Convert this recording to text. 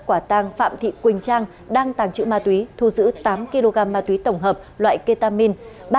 quả tàng phạm thị quỳnh trang đang tàng trữ ma túy thu giữ tám kg ma túy tổng hợp loại ketamin